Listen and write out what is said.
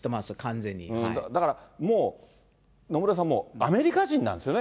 だから、野村さん、もうアメリカ人なんですよね。